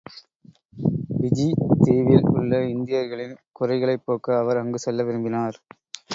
பிஜித் தீவில் உள்ள இந்தியர்களின் குறைகளைப் போக்க அவர் அங்கு செல்ல விரும்பினார்.